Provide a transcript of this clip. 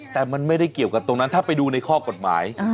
แต่มันไม่ได้เกี่ยวกับตรงนั้นถ้าไปดูในข้อกฎหมาย